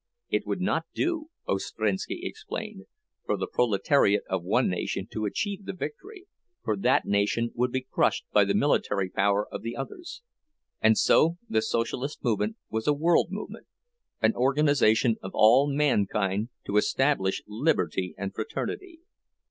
It would not do, Ostrinski explained, for the proletariat of one nation to achieve the victory, for that nation would be crushed by the military power of the others; and so the Socialist movement was a world movement, an organization of all mankind to establish liberty and fraternity.